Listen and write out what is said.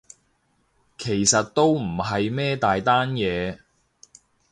其實都唔係咩大單嘢